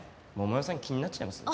桃代さん気になっちゃいます？